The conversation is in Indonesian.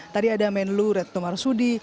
tadi ada menlu retno marsudi